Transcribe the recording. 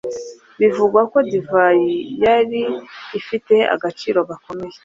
Bivugwa ko divayi yari ifite agaciro gakomeye